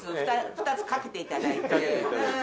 ２つ、かけていただいて。